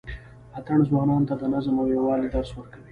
اتڼ ځوانانو ته د نظم او یووالي درس ورکوي.